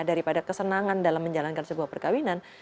daripada kesenangan dalam menjalankan sebuah perkawinan